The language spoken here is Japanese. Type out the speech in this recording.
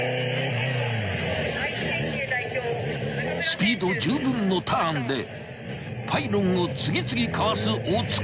［スピードじゅうぶんのターンでパイロンを次々かわす大塚］